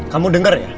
kamu denger ya